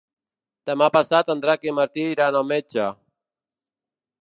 Demà passat en Drac i en Martí iran al metge.